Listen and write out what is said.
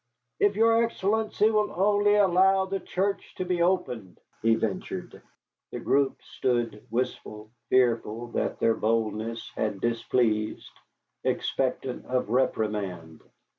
"If your Excellency will only allow the church to be opened " he ventured. The group stood wistful, fearful that their boldness had displeased, expectant of reprimand.